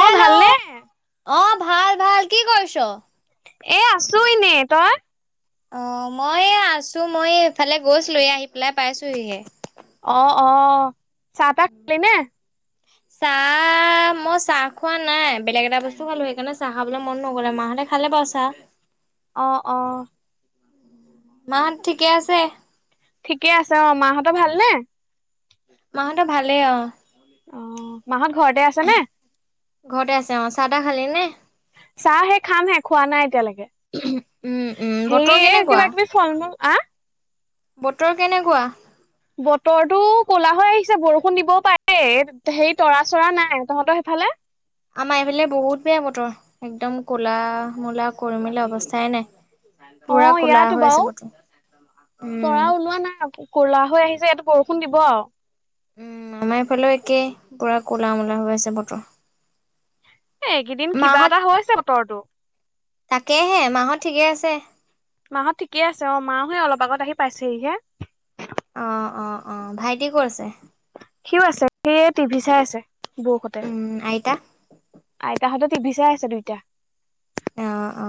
অ hello ভালনে? অ ভাল ভাল কি কৰিছ? এ আছো এনে, তই? অ মই এয়া আছো মই এইফালে গৈছিলো এয়া আহি পেলাই পাইছোহিহে অ অ চাহ তাহ খালি নে? [unintelligible] চাহ মই চাহ খোৱা নাই বেলেগ এটা বস্তু খালো সেইকাৰণে চাহ খাবলৈ মন নগলে মাহঁতে খালে বাঅ চাহ অ অ মাহত ঠিকে আছে? ঠিকে আছে অ মাহঁত ভালনে? মাহঁত ভালেই অ। অ মাহঁত ঘৰতে আছে নে? ঘৰতে আছে অ। চাহ তাহ খালি নে? চাহ হে খামহে খোৱা নাই এতিয়ালেকে। উম উম বতৰ সেই কেনেকুৱা? কিবা কিবি ফল-মূল আ বতৰ কেনেকুৱা? বতৰটো ক'লা হৈ আহিছে বৰষুণ দিবও পাৰে এ সেই তৰা - চৰা নাই, তহঁতৰ সেইফালে? আমাৰ এইফালে বহুত বেয়া বতৰ, একদম কলা - মূলা কৰি মেলি অৱস্থাই নাই। অ পুৰা ক'লা ইয়াতো হৈ আছে বাৰু, বতৰ তৰা উম। ওলোৱা নাই আকৌ। কলা হৈ আহিছে এইটো বৰষুণ দিব আৰু। উম আমাৰ ইফালেও একেই, পুৰা ক'লা - মলা হৈ আছে বতৰ। এ এইকেইদিন কিবা মাহত এটা হৈছে বতৰটো। তাকেহে মাহত ঠিকে আছে? মাহত ঠিকে আছে, অ মাহহে অলপ আগত আহি পাইছেহিহে। অ অ অ, ভাইটি ক'ত আছে? সিও আছে, সে টিভি চাই আছে, বৰষুত ওম, আইতা? আইতাহঁতে টি ভি চাই আছে দুইটা। অ অ,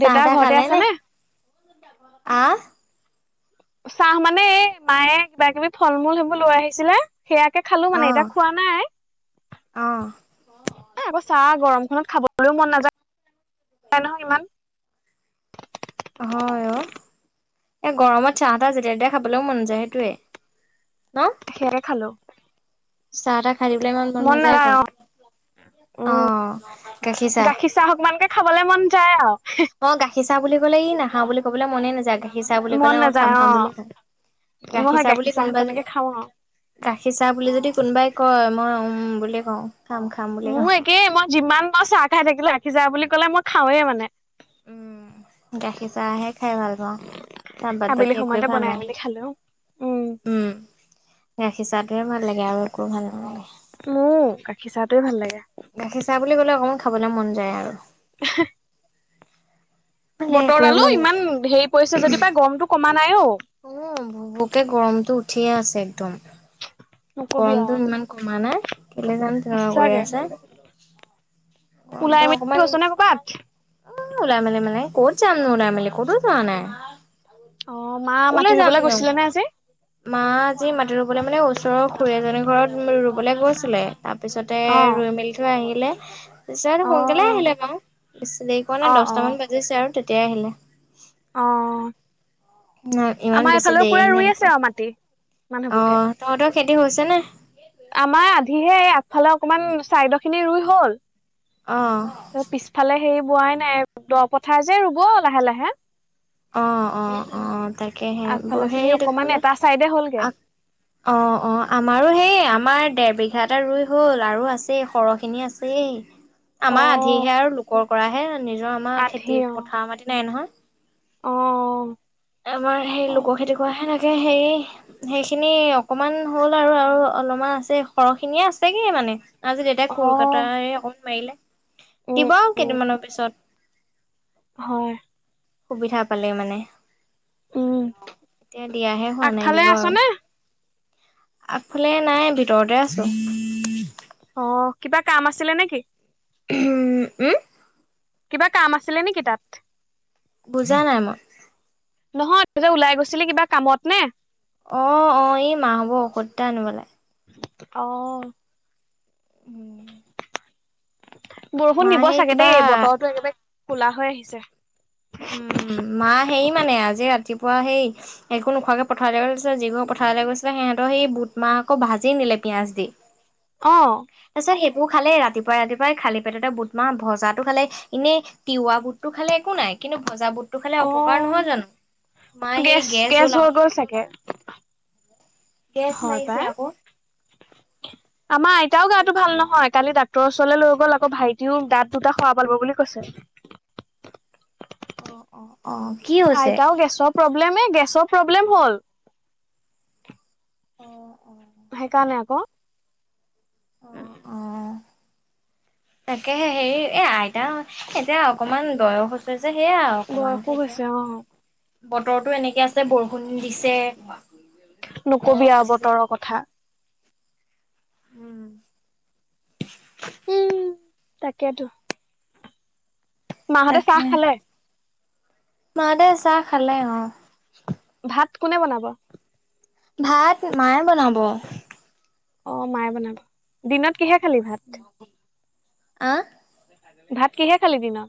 চাহ - তাহ ঘৰতে খালে আছে নে আহ? চাহ মানে এই মায়ে কিবা - কিবি ফল - মূল সেইবোৰ লৈ আহিছিলে। সেয়াকে খালো মানে এতিয়া অ', খোৱা নাই। অ'। এ আকৌ চাহ গৰমখনত খাবলৈও মন নাযায়। নাই নহয় ইমান। হয় অ। এই গৰমত চাহ - তাহ যেতিয়া তেতিয়াই খাবলৈও মন যায় সেইটোৱে ন? খেৰে খালো। চাহ - তাহ খাই দিবলৈ ইমান মন নাযায় আকৌ অ গাখীৰ চাহ। চাহক মানকে খাবলে মন যায় আৰু হি। অ গাখীৰ চাহ বুলি কলে ই নাখাও বুলি ক'বলৈ মনেই নাযায়, গা খীৰ চাহ বুলি মন কলে মই নাযায় খাম অ খাম বুলি কয়, মই সেই গাখীৰ চাহ বুলি কোনবা যে অকনকে খাওঁ আৰু গাখীৰ চাহ বুলি যদি কোনোবাই কয়, মই উম উম বুলি কওঁ, খাম খাম বুলি কওঁ। তাকেই মই যিমান মই চাহ খাই থাকিলো গাখীৰ চাহ বুলি ক'লে মই খাওঁৱে মানে। উম, গাখীৰ চাহহে খাই ভাল পাওঁ, তাৰ বাদ বাকী একোৱেই ভাল নালাগে। খালোঁ। উম, গাখীৰ চাহটোৱে ভাল লাগে আৰু একো ভাল নালাগে। মোৰ গাখীৰ চাহটোয়ে ভাল লাগে। গাখীৰ চাহ বুলি ক'লে অকণমান খাবলৈ মন যায় আৰু। এ হে। মানে একোৱে বতৰডালো মন ইমান নাযায়। হেৰি পৰিছে যদি পাই গৰমটো কমা নাই অ। অ, ভোক ভোকে গৰমতো উঠিয়ে আছে একদম। নকবি আৰু গৰমটো ইমান কমা নাই, কেলে যাম তেনেকুৱা কৰি সঁচাকে আছে। ওলাই গৰমটো মেলি অকণমান গৈছ নে কৰ'বাত উ ওলাই মেলি মেলে, ক'ত যাম ন ওলাই মেলি ক'তো যোৱা নাই। অ, মা কলে মাটি ৰুবলৈ যামনো গৈছিলে নে আজি? মা আজি মাটি ৰু বোলে মানে ওচৰৰ খুৰী এজনীৰ ঘৰত ৰুবলৈ গৈছিলে তাৰ পিছতে অ ৰুই মেলি টো আহিলে তাৰ পিছত অ সোনকালে আহিলে বাৰু, বেছি দেৰি কৰা অ নাই অ দচটামান বাজ জিছে আৰু তেতিয়া আহিলে। অহ, ন ইমান আমাৰ বেছি এফালেও পুৰা দেৰি নাই ৰুই কৰা আছে আৰু মাটি অ মানুহবোকে। তহঁতৰ খেতি হৈছেনে? আমাৰ আধিহে আগফালে অকমান চাইডৰখিনি ৰুই হল। অঁ ত পিছফালে হেৰি বোৱাই নাই দহ পথাৰ যে ৰুব লাহে লাহে অ অ অ তাকে হে আগফালৰ হে খিনি অকমান দেখিবলে এটা চাইডে হ'লগে আক অ অ আমাৰো হেই আমাৰ দেৰ বিঘা এটা ৰুই হ'ল আৰু আছেই সৰহ খিনি আছে ছেই অ আমাৰ আধিহে আৰু লোকৰ কৰাহে নিজৰ আমাৰ আধি খেতি অ পথাৰৰ মাটি নাই নহয় অ আমাৰ সেই অ লোকৰ খেতি কৰা হে তাকে সেই সেইখিনি অকমান হ'ল আৰু আৰু অলমান আছে সৰহখিনিয়ে আছেগে মানে আজি দেউতাই অ', কলকাতাৰে অকণমান মাৰিলে উম, দিব আৰু উম, কেইদিনমানৰ পিছত হয় সুবিধা পালে মানে উম, এতিয়া দিয়াহে হোৱা নাই আগফালে দিব আৰু আছনে? আগফালে নাই ভিতৰতে আছোঁ অ কিবা কাম আছিলে নেকি উম উম কিবা কাম আছিলে নেকি তাত? বুজা নাই মই। নহয় তই যে ওলাই গৈছিলি, কিবা কামত নে? অ', অ', এই মা ভাগৰ ঔষধ এটা আনিবলে অ' উম' মা বৰষুণ দিব সেই চাগে কিবা দেই, বতৰটো একেবাৰে কোলা হৈ আহিছে। উম', মা হেই মানে, আজি ৰাতিপুৱা হেই একো নোখোৱাকে পথাৰলে গৈছে, যি ঘৰৰ পথাৰলে গৈছিলে, সিহঁতৰ হেৰি বুট মাহ আকৌ ভাজি নিলে পিঁয়াজ দি অ' তাৰছ সেইবোৰ খালে, ৰাতিপুৱাই ৰাতিপুৱাই খালি পেটতে বুটমাহ ভজাতো খালে এনেই তিওৱা বুতটো খালে একো নাই কিন্তু ভজা বুট এইটো খালে অপকাৰ অ', নহয় জানো? মাই সেই গেছ হল হৈ আও গ'ল চাগে। গেছ হয় মাৰিছে পাই। আকৌ আমাৰ আইতাও গাটো ভাল নহয়, কালি ডাক ক্টৰ ওচৰলে লৈ গ'ল আকৌ ভাইটিও দাঁত দুটা সৰাব লাগিব বুলি কৈছে। অ', অ' অ', কি অ আইতাও গেছ প্ৰব্লেম এ, গেছৰ প্ৰব্লেম হ'ল। অ', অ' সেইকাৰণে আক অ', উম' অ'। তাকেহে হেৰি এ আইতা এতিয়া অকমান বয়স্ক তাছত সেয়া আও অকমান বয়সো হৈছে অ'। বতৰতো এনেকে আছে, বৰষুণ দিছে নকবি গৰম আৰু উঠিছে বতৰৰ কথা উম' উম তাকেতো মা হঁতে চাহ খালে? মা হতে চাহ খালে, অ'। ভাত কোনে বনাব ভাত মায়ে বনাব অ' মায়ে বনাব, দিনত কিহে খালি ভাত আ ভাত কিহে খালি দিনত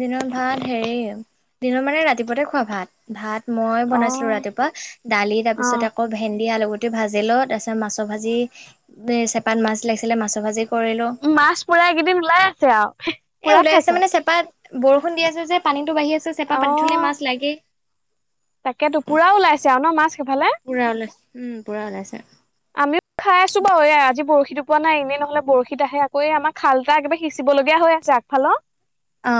দিনত ভাত হেৰি, দিনৰ মানে ৰাতিপুৱাতে খোৱা ভাত, ভাত মই অ বনাইছিলো ৰাতিপুৱা, দালি তাৰ অ পিছত আকৌ ভেন্দি আলু গোট টি ভাজিলোঁ, তাৰপিছত মাছ ভাজি, চেপাত মাছ লাগিছিলে মাছ ভাজি কৰিলোঁ মাছ পোৰা এইকেইদিন ওলাই আছে আৰু এ পুৰা ওলাই আছে খাইছ মানে চেপাত, বৰষুণ দি আছে যে পানীটো বাঢ়ি আছে, চেপা অ পাতি থলে মাছ লাগেই তাকেতো পুৰা ওলাইছে আৰু ন মাছ সেইফালে পুৰা ওলাইছে, উম' পুৰা ওলাইছে আমিও খাই আছো বাৰু, এ আজি বৰশী তোপোৱা নাই, এনেই নহলে বৰশীত আহে আকৌ আমাৰ খাল এটা একবাৰে সিঁচিবলগীয়া হৈ ছে আগফালৰ অ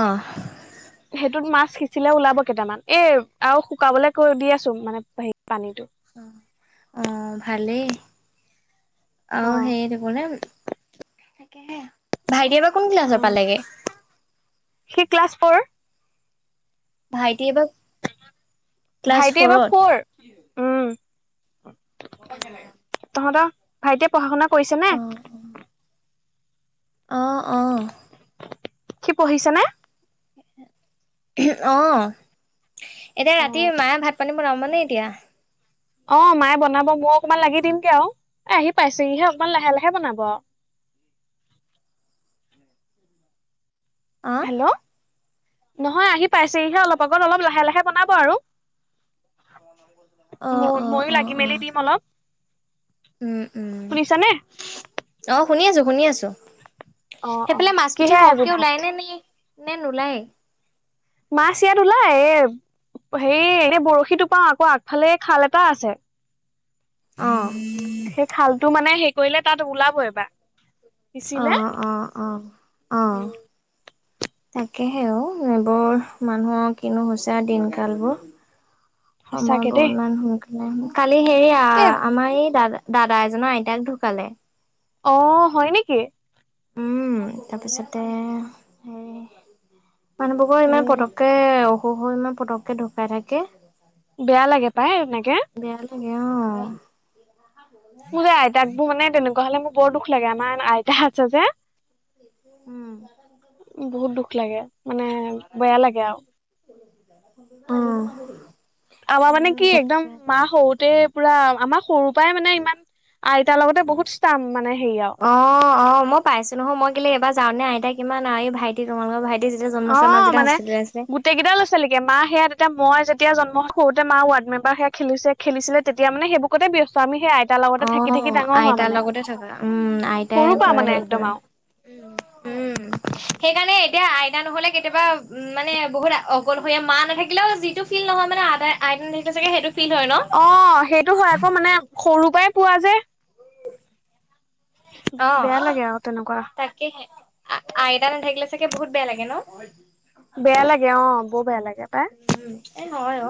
[unintelligible] সেইটোত মাছ সিঁচিলে ওলাব কেইটামান, এ আৰু শুকাবলে কৈ দি আছো মানে হেৰি পানীটো অ অ ভালেই অ', সেই দিবলে ভাইটি এইবাৰ কোন ক্লাছত অ পালেগে সি ক্লাছ ফৌৰ ভাইটি এইবাৰ ক্লাছ ভাইটি এবাৰ ফ'ৰত। ফৌৰ উম অ জাগ তহঁতৰ ভাইটিয়ে পঢ়া শুনা কৰিছে ন অ অঁ অঁ সি পঢ়িছে নে অ এতিয়া ৰাতি মায়ে ভাত পানী বনাব মানে এতিয়া অ মায়ে বনাব মই অকনমান লাগি দিম গে আৰু এ আহি পাইছেহিহে অকমান লাহে লাহে বনাব আৰু অ', হেল নহয় আহি পাইছেহিহে অলপ আগত অলপ লাহে লাহে বনাব আৰু ম অ', অ', মইয়ো অ', লাগি মেলি অ'। দিম অলপ উম উম শুনিছানে অ শুনি আছো শুনি আছো অ অ সেইফালে মাছ পুঠি কিহে আজি সহকে ওলাই ভাত নে নে নোলায়েই মাছ ইয়াত ওলাই এ হে এতি বৰশী টোপাও আকৌ আগফালে খাল এটা আছে অঁ সেই খালটো মানে হেৰি কৰিলে তাত ওলাব এইবাৰ অ অ অ অ উম তাকেহে অ এইবোৰ মানুহৰ কিনো হৈছে দিন কাল বোৰ [unintelligible] সময় দেই বহুতমান সোনকালে কালি হেৰি এ আমাৰ এই দাদা দাদা এজনৰ আইতাক ঢুকালে অ হয় নেকি উম তাৰপিছতে হেৰি মানুহবোৰো ইমান উম, পতককে অসুখহৈ ইমান পটককে ঢুকাই থাকে বেয়া লাগে পাই এনেকে বেয়া লাগে অ মোৰ যে আইতাক বোৰ মানে তেনেকুৱা হলে মোৰ বৰ দুখ লাগে আমাৰ আইতা আছে যে উম বহুত দুখ লাগে মানে বেয়া লাগে আৰু অ আমাৰ মানে কি একদম মা সৰুতে পুৰা আমাৰ সৰুৰ পৰাই মানে ইমান আইতাৰ লগতে বহুত ষ্টাম মানে হেৰি আৰু অ অ মই পাইছো নহয় মই কেলে এইবাৰ যাওঁতেনে আইতা কিমান আৰু এই ভাইটি তোমালোকৰ ভাইটি যেতিয়া জন্ম অ হৈছিলে মা যেতিয়া মানে হস্পিতেলত আছিলে গো তেইকেইটা লৈছে নেকি মা সেয়া তেতিয়া মই যেতিয়া জন্ম সওঁতে মা ৱাড মেম্বাৰ সেয়া খেলিছে খেলিছিলে তেতিয়া মানে সেইবোৰ আগতে ব্যস্ত আমি সেই আইতাৰ লগতে অ থাকি থাকি ডাঙৰ হোৱা আইতাৰ মানে লগতে থকা উম আইতাই সৰু পৰা পুৰা মানে হেৰি কৰে একদম আৰু [unintelligible] উম সেইকাৰণে এতিয়া আইতা নহ'লে কেতিয়াবা উ মানে বহুত অকলণশৰীয়া মা নাথাকিলেও যিটো ফিল নহয় মানে আইতা আইতা নাথাকিলে চাগে সেইটো ফিল হয় ন অঁ সেইটো হয় আকৌ মানে সৰুৰ পৰাই পোৱা যে অ বেয়া লাগে আৰু তেনেকুৱা তাকে আইতা নাথাকিলে চাগে বহুত বেয়া লাগে ন বেয়া লাগে অ বৰ বেয়া লাগে পাই উম এ নহয় অ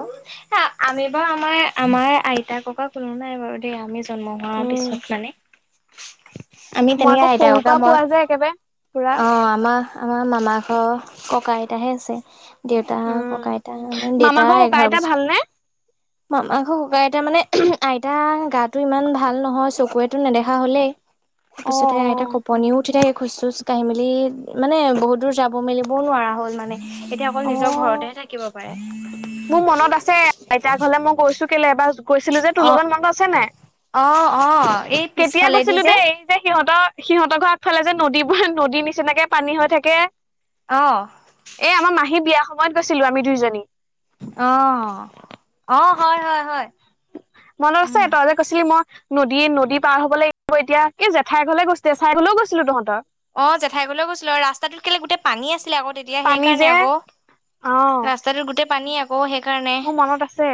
হ আমি বাৰু আমাৰ আমাৰ আইতা ককা কোনো নাই বাৰু দেই আমি জন্ম হোৱাৰ উম পিছত মানে আমি মই তেনেকে আকৌ আহইতা সৰুৰ ককা পৰা মোৰ পোৱা যে একেবাৰে পুৰা অ আমাৰ আমাৰ মামা ঘৰ ককা আইতাহে আছে দেউতা উম ককা আইতা দেউতা মামাকৰ ককা এঘাৰ আইতা বছৰ ভালনে ম মাংস ককাই আইতা মানে আইতা গাটো ইমান ভাল নহয় চকুৱে টো নেদেখা হলেই অ তাৰপিছতে আইতাক অ পণীও উঠি থাকে খোজ চোজ কাঢ়ি মেলি মানে বহুত দূৰ যাব মেলিবও নোৱাৰা হ'ল মানে এতিয়া অকল অ নিজৰ ঘৰতেহে থাকিব পাৰে মোৰ মনত আছে এতিয়া ঘৰলে মই গৈছো কেলে এবাৰ কৈছিলো যে তোৰ অ', লগত মনত আছে নাই অ', অ', এই কেতিয়া পিছফালেদি গৈছিলো দেই যে সিহঁতৰ সিহঁতৰ আগ ফালে যে নদীবোৰ নদীৰ নিচিনাকে পানী হৈ থাকে অ এ আমাৰ মাহী বিয়াৰ সময়ত গৈছিলোঁ আমি দুইজনী অ অ হয় হয় হয় মনত আছে উম। ত ই যে কৈছিলি মই নদী নদী পাৰ হব লাগিব এতিয়া এই জেঠাই ঘলে গৈছিলো জেঠাই ঘলেও গৈছিলো তহঁতৰ অ জেঠাই ঘৰলে গৈছিলো আৰু ৰাস্তাটোত কেলে গোটেই পানী আছিলে আকৌ তেতিয়া পানী সেইকাৰণে যে আকৌ অ', ৰা তাৰ গোটেই পানী আছে অ সেইকাৰণে মোৰ মনত আছে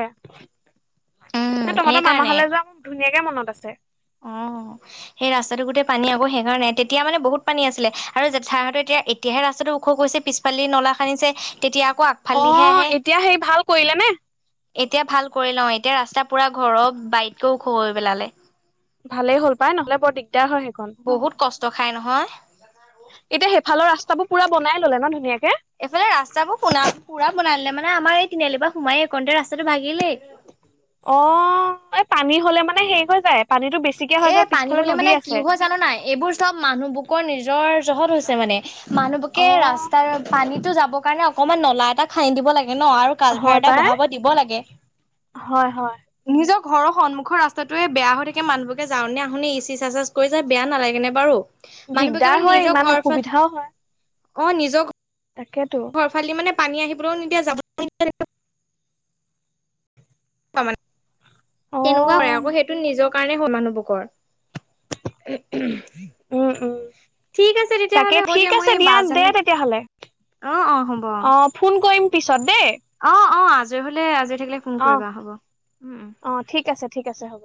উম, ন তহঁতৰ মামা সেইকাৰণে। হলে যোৱা মোক ধুনীয়াকে মনত আছে অ সেই ৰাস্তাটো গোটেই পানী আকৌ সেইকাৰণে তেতিয়া মানে বহুত পানী আছিলে আৰু জেঠাহঁতে এতিয়া এতিয়াহে ৰাস্তাটো ওখ গৈছে পিছ ফালদি নলা খান্দিছে তেতিয়া আকৌ অ আগফালিহে আহে। এতিয়া হেই ভাল কৰিলে নে এতিয়া ভাল কৰি লওঁ এতিয়া ৰাস্তা পুৰা ঘৰৰ বাইতকেও ওখ হৈ পেলালে। ভালেই হ'ল পাই নহ'লে বৰ দিগদাৰ হয় সেইখন। বহুত কষ্ট খাই নহয়। এতিয়া সে ইফালৰ ৰাস্তাবোৰ পুৰা বনাই ললে ন ধুনীয়াকে। এইফালে ৰাস্তাবোৰ শুনা চু পুৰা বনাই ললে মানে আমাৰ এই তিনিআলিৰ পৰা সোমাইয়ে গোটে ৰাস্তাটো ভাঙিলেই। অ অ অ অ, এই পানী হলে মানে হেৰি হৈ যায় পানীটো বেছিকে হৈ যায় পিছফালে নদী আছে। জানো নাই এইবোৰ চব মানুহ বুকৰ নিজৰ জহত হৈছে মানে হে এ। মানুহ বোকে অ', ৰাস্তাৰ পানীতো যাবৰ কাৰণে অকমান নলা এটা খান্দি দিব লাগে ন আৰু কালভাৰ হয় এটা পাই বহাব দিব লাগে। হয় হয়। নিজৰ ঘৰৰ সন্মুখৰ ৰাস্তাটোয়ে বেয়া হৈ থাকে মানুহ এ যাওঁনে শুনি ই চি চাচাজ কৰি যে বেয়া নালাগে নে বাৰু। এয়া মানুহবোৰকে দিগদাৰ মানে হয় নিজৰ ইমান ঘৰৰ পৰা অসুবিধাও হয়। অ নিজৰ ঘ তাকেতো। ঘৰ ফালি মানে পানী আহিবলৈও নিদিয়া যাব নিদিয়ে মানে তেনেকুৱা কৰে অ', আকৌ সেইটো নিজৰ কাৰণে হয় মানুহবোকৰ চু উমহু উমহু হু হু। উম উম উ উ। তাকে হ'ব ঠিক মই আছে এই বা দিয়া দে জনী তেতিয়াহলে অ অ হ'ব অ। ফোন কৰিম পিছত দেই। অ অ আজৰি হলে আজৰি থাকিলে ফোন অ', কৰিবা হ'ব উম উ। অ', ঠিক আছে ঠিক আছে হ'ব।